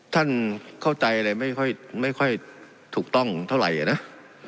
ท่านเข้าใจอะไรไม่ค่อยไม่ค่อยถูกต้องเท่าไหร่อ่ะน่ะ